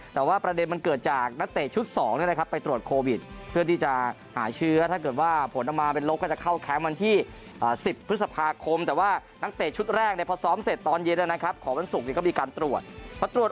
แต่ว่าประเด็นมันเกิดจากนักเตะชุด๒ไปตรวจโควิดเพื่อที่จะหาเชื้อถ้าเกิดว่าผลออกมาเป็นลบก็จะเข้าแคมป์วันที่๑๐พฤษภาคมแต่ว่านักเตะชุดแรกเนี่ยพอซ้อมเสร็จตอนเย็นนะครับของวันศุกร์ก็มีการตรวจพอตรวจ